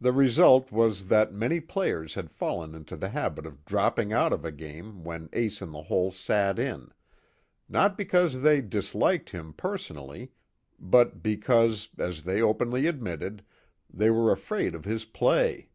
The result was that many players had fallen into the habit of dropping out of a game when Ace In The Hole sat in not because they disliked him personally, but because, as they openly admitted, they were afraid of his play.